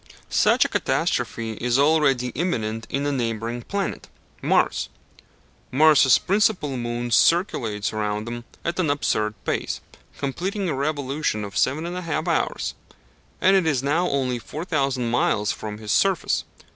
Such a catastrophe is already imminent in a neighbouring planet Mars. Mars' principal moon circulates round him at an absurd pace, completing a revolution in 7 1/2 hours, and it is now only 4,000 miles from his surface.